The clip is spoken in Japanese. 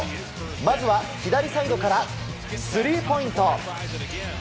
まずは左サイドからスリーポイント。